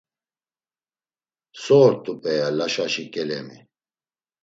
So ort̆u p̌eya Laşaşi ǩelemi?